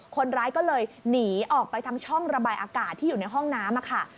คนร้ายก็เลยหนีออกไปทางช่องระบายอากาศที่อยู่ในห้องน้ำค่ะ